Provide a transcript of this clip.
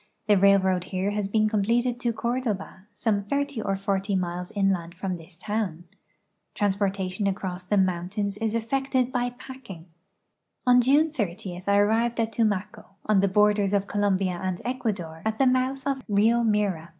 The railroad here has been completed to Cordoba, some thirty or forty miles inland from this town. Transportation across the mountains is effected by })acking. On June 30 I arrived at Tumaco, on the borders of Colombia and Ecuador, at the mouth of Rio Mira.